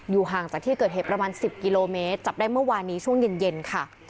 ห่างจากที่เกิดเหตุประมาณ๑๐กิโลเมตรจับได้เมื่อวานนี้ช่วงเย็นค่ะ